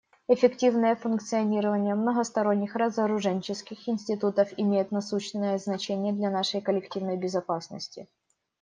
Эффективное функционирование многосторонних разоруженческих институтов имеет насущное значение для нашей коллективной безопасности.